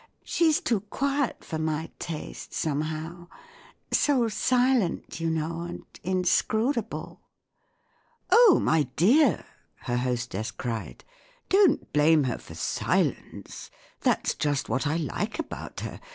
She's too quiet for my taste, somehow; so silent, you know, and inscrutable," "Oh, my dear," her hostess cried, "don't blame her for silence ; that's just what I like about her.